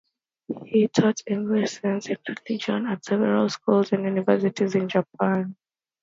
He taught English, science, and religion at several schools and universities in Japan.